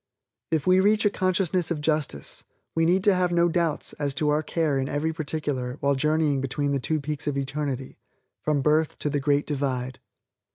If we reach a consciousness of justice, we need have no doubts as to our care in every particular while journeying between the two peaks of eternity from birth to the Great Divide.